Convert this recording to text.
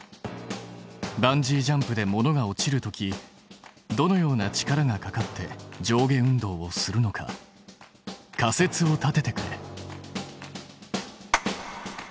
バンジージャンプで物が落ちる時どのような力がかかって上下運動をするのか仮説を立ててくれ。